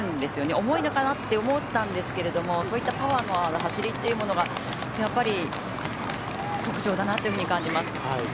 重いのかなって思ったんですけどそういったパワーのある走りというのがやっぱり特徴だなと感じます。